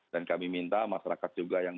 dan kami minta masyarakat juga yang